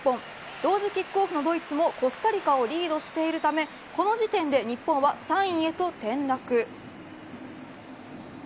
同時キックオフのドイツもコスタリカをリードしているためこの時点で日本は３位へと転落。